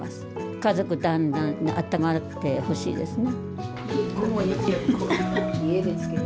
家族団らんあったまってほしいですね。